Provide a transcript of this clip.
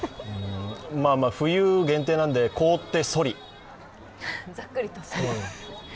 まあ、冬限定なんで、凍って、そり。